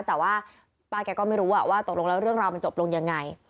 แต่ว่าป้าแกก็ไม่รู้ว่าตกลงแล้วเรื่องราวมันจบลงยังไง